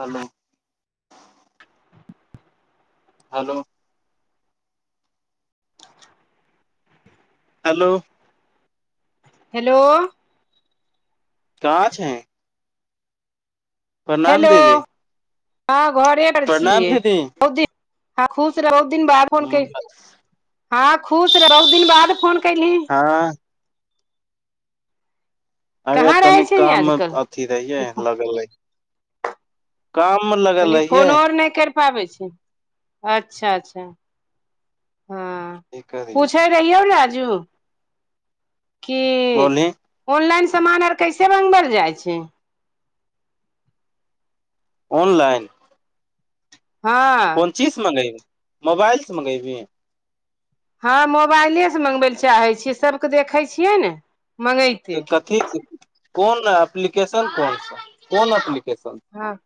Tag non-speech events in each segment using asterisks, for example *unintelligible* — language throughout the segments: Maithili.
हेलो हेलो हेलो हेलो कंहाँ छहिन हेलो दीदी हँ घरे पर प्रणाम छियै दीदी बहु दिन हँ खुश रह बहुत दिन बाद फोन क हँ खुश रहे बहुत दिन बाद फोन केहली आँ अे गे कहाँ रहै तनी छैही काम आजकल अथी रहिये तनी लगल रहिय लगल तनि रहिये फोन आर नहि कैर पाबै छहिन अच्छा अच्छा हाँ की करियै पूछे कहिऔ राजू कि बोलही ऑनलाइन सामान आर कैसे मंगबैल जाइछिंहिन ऑनलाइन हँ कोन चीज मँगेबही मोबाइलस मँगेबिही हँ मोबाइलेसँ मँगबै लए चाहै छियै सबके देखै छियै ने मँगैत कथी छै कोन एप्लिकेशन कोन कोन एप्लिकेशन हाँ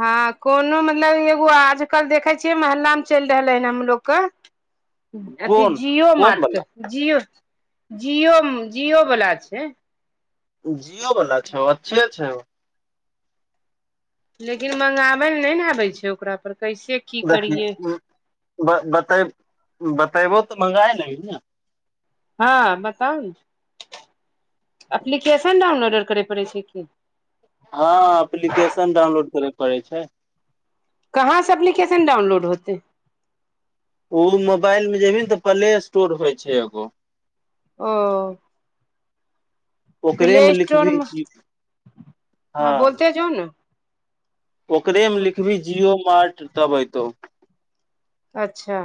हँ कोनोमे नहि मतलब एगो आजकल देखै छियै महल्ला मे चलि रहले हन हमलोग क *inaudible* अथी कोन जिओ कोन मार्टके बला जिओ जिओ जिओवला छै जियओ वला छऊ अच्छे छौ लेकिन मंगाबै लऽ नहि ने आबै छै ओकरा पर कैसे की देखिं करियै बते बतेबो बतेबो तऽ मॅंगाए लेएहिं न हँ बताउ ने एप्लीकेशन डाउनलोड आर करय पड़ैत छै की हँ एप्लीकेशन डाउनलोड करेके पड़ै छै कहाँसँ एप्लीकेशन डाउनलोड होतै ओ मोबाइल मे जेबही ने तऽ प्ले स्टोर होइ छै एगो ओ ओकरे प्ले मे लिखबही स्टोरमे जी हँ बोलते जो ने ओकरे मे लिखबी जियो मार्ट तब एतौ अच्छा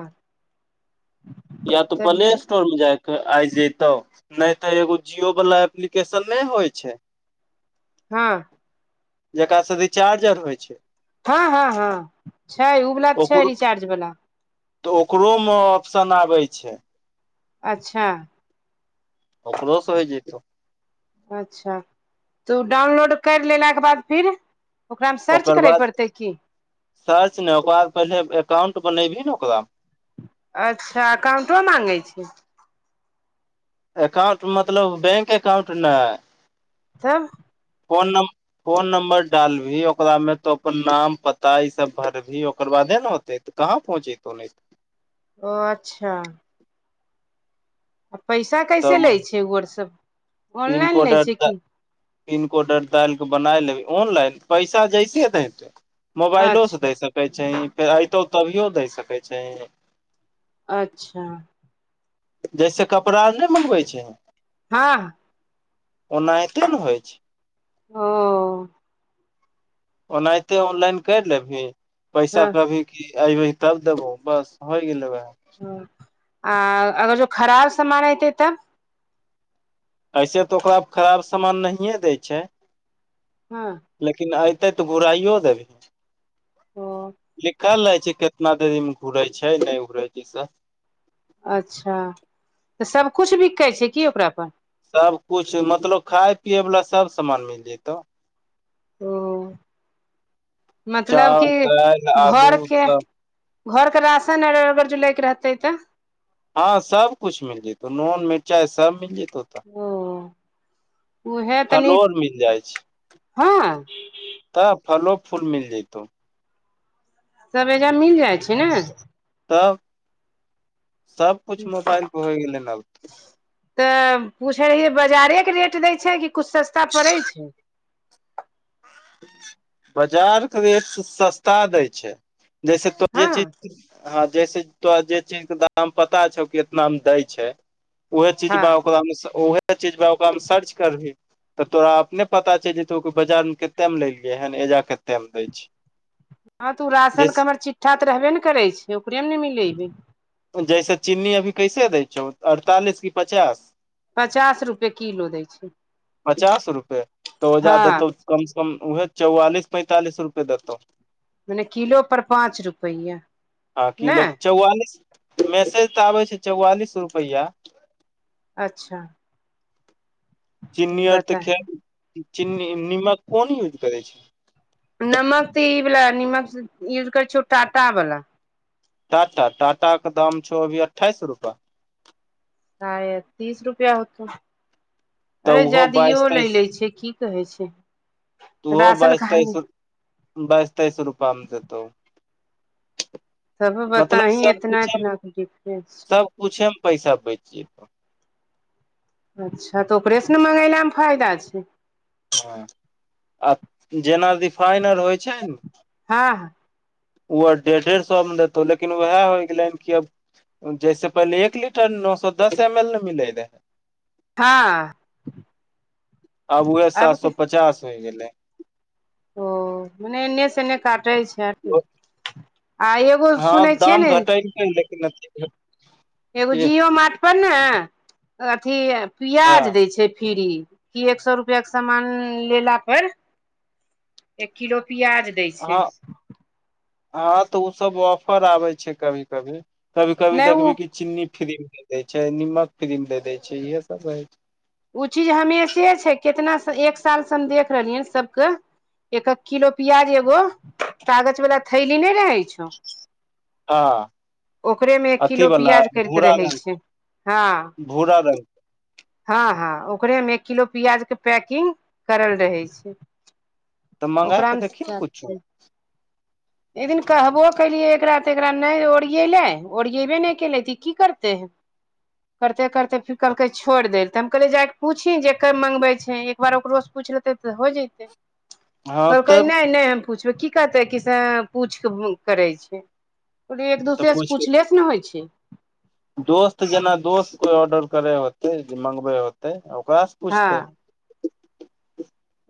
या तो तऽ पलेश स् *unintelligible* जाय के आइ जतौ नहि तऽ एगो जियो वाला एप्लिकेशन नहि होइ छै *inaudible* हँ जेकरा सँ से रिचार्ज आर होइ छै हँ हँ हँ छै ओ वला त छै ओकरो रिचार्ज वाला तऽ ओकरो म ऑप्शन आबै छै अच्छा ओकरो सँ होइ जेतौ अच्छा तऽ ओ डाउनलोड कर लेला के बाद फिर ओकरामे सर्च ओकर करय बाद पड़तै की सर्च नै ओकर बाद पहिले एकाउंट बनेबही ने ओकरा अच्छा अकाउंटो माँगै छै एकाउंट मतलब बैंक एकाउंट नइ तब फोन नम फोन नम्बर डालबीही ओकरा मे तो अपन नाम पता ई सब भरबही ओकर बादे ने होते तऽ कहाँ पहुँ जेतो नहि ओ अच्छा आ पैसा कैसे तब लै छै ओर सब ऑनलाइन लै छै की पिनकोड आर डालि के बनाय लेबै ऑनलाइन पैसा जैसे दहि मोबाइलो सँ अच्छा दे सकै छहि फेर अयतो तभियो द सकैत छहं अच्छा जैसे कपड़ा और ने मंगबै छै हँ ओनाहिते ने होइ छै ओ ओनाहिते ऑनलाइन करि लेबही पैसा हँ कभी की अपबह तब देबौ बस होइ गेलै वएह ह आ अगर ओ खराब सामान अऐतै तऽ ऐसे तऽ ओकरा खराब सामान नहिये दै छै हँ लेकिन अयतै तऽ घूराइयो देबै ओ लिखल रहै छै कितना देरी मे घुरे छै नहि घुरे छै से अच्छा तऽ सबकिछु बिकै छै की ओकरा पास सब कुछु मतलब खाय पियए वालला सब समान मिल जेतौ ओ मतलब चाउर कि दालि आलू घर के सब घर के राशन अगर लै के रहतै तऽ हँ सबकुछ मिल जेतौ नून मिरचाइ सब मिल जेतौ तऽ ओ उहे तनी फलो आर मिल हँ तऽ फलो फूल मिल जतौ सब एहिज मिल जाइ छै ने तब सब कछ मोबाइल पे होइ गेलै आब तऽ पूछैत रहियै बाजारेके रेट दै छै कि कुछु सस्ता पड़ै छै बाजारके रेट स सस्ता दै छै जैसे तो हँ जे चीज हँ जैसे तोरा जे चीज के दाम पता छौ कि इतना मे दै छै उहे चीज हँ बा ओकरामे उहे चीज बा ओकरामे सर्च करबही तऽ तोरा अपने पता छै जे तो बाजारमे कतेकमे ललियैहेन जा कतेक मे दै छै हँ तऽ ओ राशनके जैस हमर चिट्ठा तऽ रहबे ने करै छै ओकरे मे ने मिलेबै जैसे चीन्नी अभी कैसे दै छौ अड़तालीस कि पचास पचास रुपए किलो दै छै पचास रुपए त ओ जा हँ दैतो कम से कम वएह चौवालीस पैंतालिस रुपए देतौ मने किलो पर पाँच रुपैआ ने चौआालीस मैसेज तऽ आबै छै चौआलिस रुपैआ अच्छा चिन्नी आर तऽ बता ख चिन्नी नमक कोन यूज करै छै नमक तऽ ई वला नमक यूज करै छियौ टाटा बाला टाटा टाटा के दाम छौ अभी अठाइस रुपआ काय तीस रुपआ होतौ तऽ अरे ओहो जादियो बाइस लै तेइस लै छै की कहै छै ओहो राशन बाइस तेइस खाली बाइस तइस रुपए आ हम जतौ तब मतलब बताही एतना एतना के डिफरेंस छै पुछेमे पैसा बचि जतऽ अच्छा तऽ ओकरे सँ ने मंगेलामे फायदा छै ह आ जेना रिफाइन आर होइ छै ने हँ ओ डेढ़ सए मे लतौ लेकिन उएह हो गेलै कि अब जैसे पहिले एक लीटर नओ सए दस एम एल ने मिलै रहै हँ आब उहै सात सो पचास होइ गेलै ओ ने ने से एन्ने काटै छै आ एगो हँ सुनै छियै ने *unintelligible* एगो जिओ मार्ट पर ने अथी पियाज हँ दै छै फ्र्री की एक सए रुपआ के सामान लेला पर एक किलो प्याज दै छै हँ हँ तऽ ओ सब ऑफर आबै छै कभी कभी कभी कभी नहि ओ देखबी की चीन्नी फ्री मे दे देय छै नीमक फ्री मे दे देय छै इहे सब रहे छै ओ चीज हमेशे छै कितना स एक साल से हम देख रहलियै सबके एक एक किलो पियाज एगो कागज वला थैली नै रहै छौ हँ ओकरे मे एक अथी किलो वाला पियाज कर के भूरा रहै रंग छै हँ भूरा रंग हँ हँ ओकरे मे एक किलो प्याज के पैकिंग करल रहे छै तऽ मंगा ओकरा के मे देखी ने सबटा कुछो एकदिन कहबो केलियै एकरा तऽ एकरा नहि ओरियएले ओरियेबे नहि केले तऽ ई की करते करते करते फेर कहलकै छोड़ि देल तऽ हम कहलियै जा कऽ पूछही जेकर मङ्गबै छै एक बार ओकरोसँ पूछि लेतै तऽ हो जतै हँ कहलकै तब नहि नहि हम पूछबै की कहतै कि से पूछि के करै छै कोनी एक तऽ दूसरे से पूछ पूछले से ने होइ छै दोस्त जेना दोस्त कोइ ऑर्डर करे होतै जे मंगबै होतै ओकरा पूछते हँ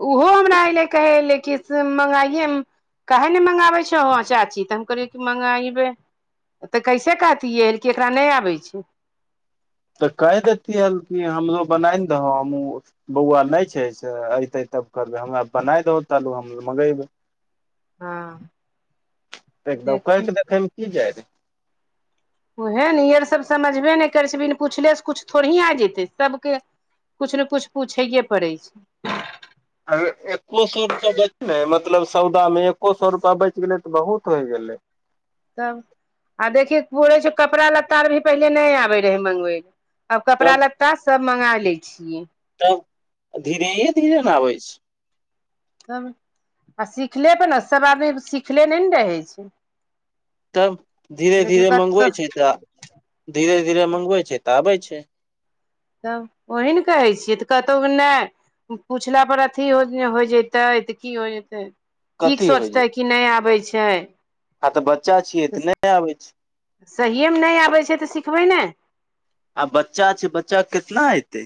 उहो हमरा अऐलै कहै लै कि से मँगाइए काहे न मँंगाबै हो चाची तऽ हम कहलियै कि मँंगाइबे तऽ कैसे कहतियै कि एकरा नहि आबै छै तऽ कहि देतियै कि हमरो बनाय ने दहो त हमहु बौआ नइ छै से अयतै तब करबै हमरा बनाय दहो तलू हम मगेबै हँ *unintelligible* देखी देखैमे की जाय उएह ने ईअर सब समझबे नहि करै छै बिन पुछलेसँ किछु थोड़ ही आ जेतै सभके कूछ न कुछ पूछैए पड़ै छै अ एक्को सए रुपैआ बचलै मतलब सौदामे एक्को सए रुपैआ बचि गेलै तऽ बहुत होइ गेलै ने तब आ देखिय पूरे छै कपड़ा लता आर भी पहिले नहि आबै रहै मँंगबै लए आब कपड़ा तब लत्ता सब मंगा ले छियै तब धीरे धीरे न आबै छै तब आ सिखले पर ने सभ आदमी सिखले नहि ने रहै छै तब धीरे लेकिन धीरे कत मँगबैत छै तऽ धीरे धीरे मँगबैत छै तऽ आबै छै तब ओही ने कहै छियै तऽ कतहु नै पुछला पर अथी हो होइ जतै तऽ की हो जतै की कथी होइ छै सोचतै कि नहि आबै छै आ तऽ बच्चा छियै तऽ नहि आबैत छै सहिएमे नहि आबै छै तऽ सिखबै ने आ बच्चा छै बच्चा के केितना एतै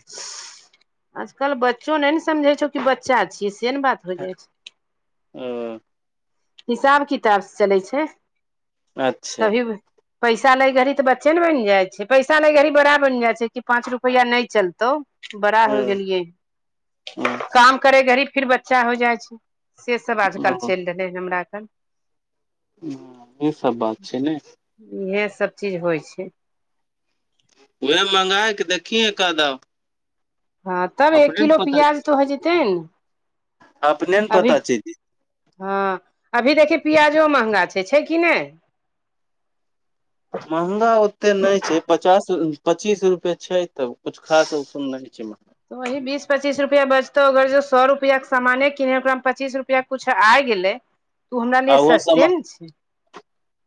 आजकल बच्चो नहि ने समझे छौ कि बच्चा छियै से ने बात ह हिसाब किताब से चलै छै अच्छा तभी पैसा लय घड़ी तऽ बच्चे ने बनि जाय छै पैसा लै घड़ी बड़ा बैन जाय छै कि पांच रुपैआ नहि चलते तो बड़ा ह हो गेलियै ह काम करे घरी फिर बच्चा हो जाइ छै से सब आजकल चैल रहलै हमरा कन इह सब बात छै ने इएह सब चीज होइ छै वहे मँगायके देखिहे कऽ दब हँ तब एक किलो पता प्याज तऽ हो जेतै ने अपने ने अभी पता चल जी हँ अभी देखियौ पियाजो महंगा छै छै कि नहि महँगा ओतेक नहि छै पचास पचीस रुपए छै तब कुछ खास ओ सुन नहि छैहाँ त वही बीस पच्चीस रुपआ बचतौ अगर जो सौ रुपआ के सामाने किनेै ओकरामे पच्चीस रुपआ कुछ आइ गेलै तऽ ओ हमरा आ लिए ओहो सस्ते समान ने छै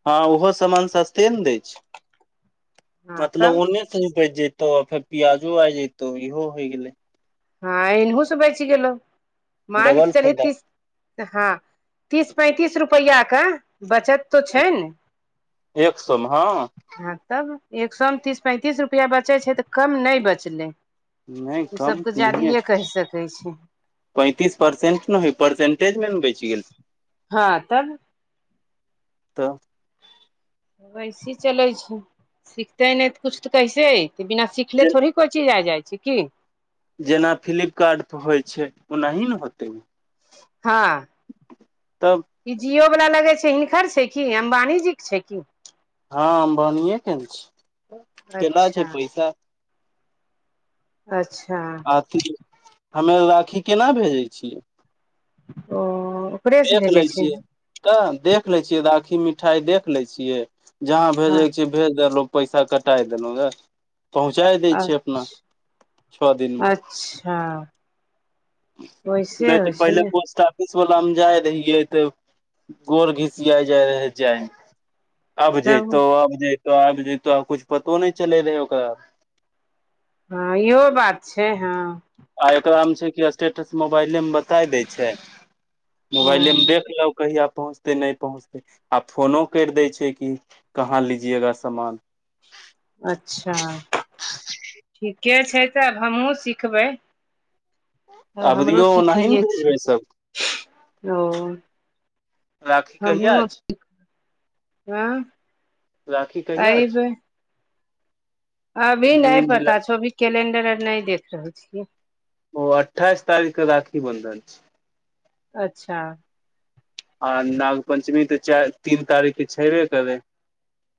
हँ ओहो समान सस्ते ने दै छै हँ मतलब तब ओने से उपज जतौ फेर प्याजो आ जतौ इहो होइ गेले हँ एनहुसँ बचि गेलहु मान कऽ डबल चलहिन् फायदा की हँ तीस पैंतीस रुपैआ के बचत तो छै ने एक सौ मे हँ हँ तब एक समे तीस पैंतीस रुपैआ बचै छै तऽ कम नहि बचलै नहि कम तऽ नहिये जादियए छै कहि सकैत छै पैंतीस परसेंट नहि होय परसेंटेजमे ने बैच गेल हँ तब तऽ वैसे चलै छै सिखते नहि तऽ कुछ तऽ कैसे त बिना सिखले थोड़े कोची जा जाइ छै कि जेना फ्लिपकार्ट पर होइ छै ओनाही ने होतै हँ तब ई जिओवला लगै छै हिनकर छै क अम्बानी जीके छै की हँ अमबानी के ने छी केला छै अच्छा पैसा अच्छा अखनी हमे राखी केना भेजै छियै ओ ओकरे से देख लै भेजै छै छियै तऽ देख लै छियै राखी मिठाइ देख लै छियै जहाँ हँ भेजैके छै भेज देलहुँ पैसा कटाय देलहुँ ह पहुँचााय दै छै अपना छओ दिनमे हाँ नहि तऽ छै पहिले ने पहुचता पुलिस वला मे जाइ रहियै तऽ गोर घिसिया जाय रहै जाइमे अब जैतो तब अब जैतो आब जैतो आ कुछ पतो नहि चलै रहै ओकर हँ इहो बात छै हँ आ एकरा मे छै कि स्टेटस मोबाइले मे बताइ दे छै ओ मोबाइले मे देख लक कहिआ पहुँचतै नहि पहुँचतै आ फोनो करि दै छै कि कहाँ लीजियेगा सामान अच्छा ठीके छै तब हमहूँ सिखबै हँ हमरो अबरियो ओनाही ने सीखैए छी भेजबै सब ओ राखी कहिया हमहुँ अछि ऐं राखी कहिया छै अभी नहि जून पता जुलाई छौ अभी कैलेंडर आर नहि देख रहले छियै ओ अट्ठाइस तारीख के राखी बंधन छै अच्छा आ नाग पंचमी तऽ चारि तीन तारीख के छैबे करै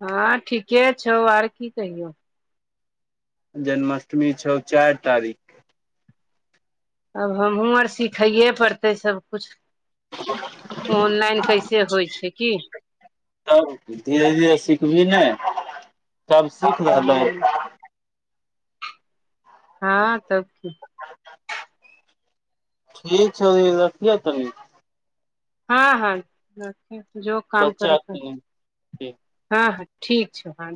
हँं ठीके छौ आर की कहियौ जन्माष्टमी छौ चारि तारीख आब हमहूँ आर सिखैए पड़तै सबकुछ ह *inaudible* ऑनलाइन कैसे होइ छै की तबकि धीरे धीरे सिखबही नै सब सीख रहलै ह हँ तब की ठीक छौ अभी रखियौ तनी हँ हँ जो काम कर बच्चा तऽ के तनी हँ हँ ठीक छौ हँ